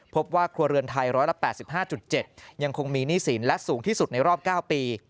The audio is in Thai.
พบว่าครัวเรือนไทย๑๘๕๗ยังคงมีหนี้สินและสูงที่สุดในรอบ๙ปี